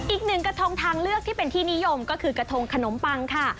อีกหนึ่งกระทงทางเลือกที่เป็นที่นิยมก็คือกระทงขนมปังค่ะ